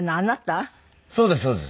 そうですそうです。